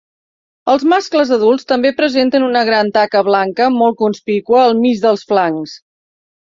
Els mascles adults també presenten una gran taca blanca molt conspícua al mig dels flancs.